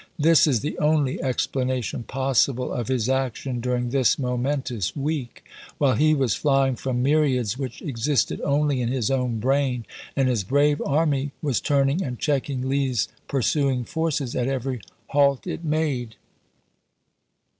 This is the only explanation possible of his action during this momentous week, while he was flying from myriads which existed only in his own brain, and his brave army was turning and checking Lee's pursuing forces at every halt it made.